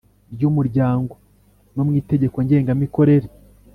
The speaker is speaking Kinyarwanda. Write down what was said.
Ry umuryango no mu itegeko ngengamikorere